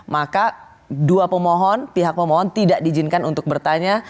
maka dua pemohon pihak pemohon tidak diizinkan untuk bertanya